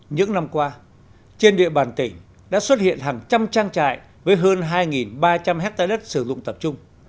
những năm qua trên địa bàn tỉnh đã xuất hiện hàng trăm trang trại với hơn hai ba trăm linh hectare đất sử dụng tập trung